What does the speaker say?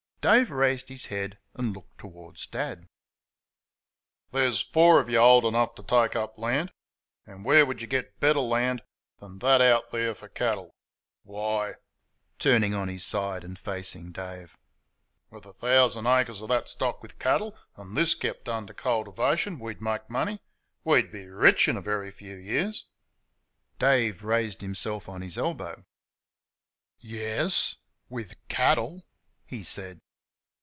Dave raised his head, and looked towards Dad. "There's four of you old enough to take up land, and where could you get better country than that out there for cattle? Why" (turning on his side and facing Dave) "with a thousand acres of that stocked with cattle and this kept under cultivation we'd make money we'd be RICH in a very few years." Dave raised himself on his elbow. "Yairs with CATTLE," he said.